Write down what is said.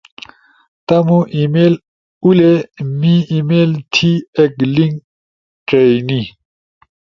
تمو ای میل اُولے، می ای میل تھی ایک لنک ڇئینی